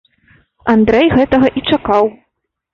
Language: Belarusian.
Андрэй гэтага і чакаў.